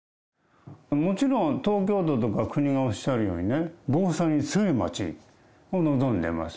もちろん東京都とか、国がおっしゃるようにね、防災に強い街を望んでます。